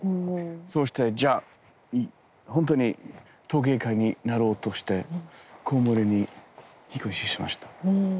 そうしてじゃあ本当に陶芸家になろうとしてコーンウォールに引っ越ししました。